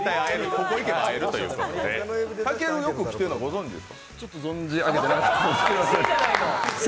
ここ行けば会えるということでたける、よく来てるのはご存じですか放てちょっと存じ上げていなくてすみません。